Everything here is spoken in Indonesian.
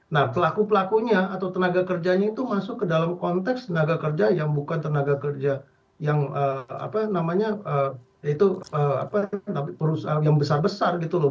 nah pelaku pelakunya atau tenaga kerjanya itu masuk ke dalam konteks tenaga kerja yang bukan tenaga kerja yang besar besar gitu loh